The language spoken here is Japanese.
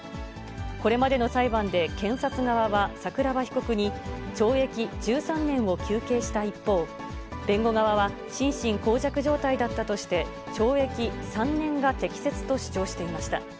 これまでの裁判で検察側は桜庭被告に懲役１３年を求刑した一方、弁護側は、心神耗弱状態だったとして、懲役３年が適切と主張していました。